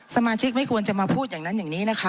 สมาชิกไม่ควรจะมาพูดอย่างนั้นอย่างนี้นะคะ